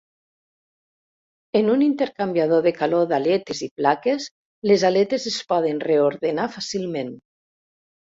En un intercanviador de calor d'aletes i plaques, les aletes es poden reordenar fàcilment.